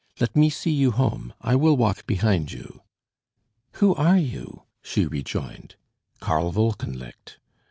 "Let me see you home. I will walk behind you." "Who are you?" she rejoined. "Karl Wolkenlicht."